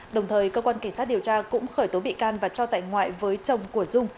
đồng thời cơ quan cảnh sát điều tra cũng khởi tố bị can và cho tại ngoại với chồng của dung